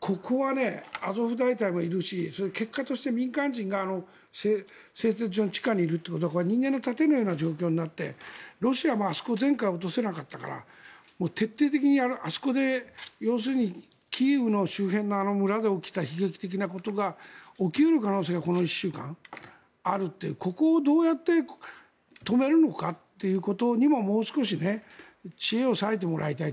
ここはアゾフ大隊もいるし結果として、民間人が製鉄所の地下にいるということは人間の盾のような状況になってロシアもあそこ前回落とせなかったから徹底的にあそこで要するにキーウの周辺のあの村で起きた悲劇的なことが起き得る可能性がこの１週間、あるというここをどうやって止めるのかということにももう少し知恵を割いてもらいたい。